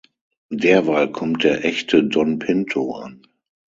Derweil kommt der echte Don Pinto an.